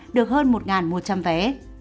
được hơn một một trăm linh vé